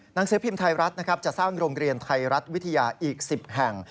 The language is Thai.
หนังสือพิมพ์ไทยรัฐนะครับจะสร้างโรงเรียนไทยรัฐวิทยาอีก๑๐แห่ง